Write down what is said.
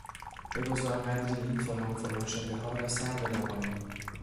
بگذار قدری این فلان فلان شدهها را سر بدوانیم.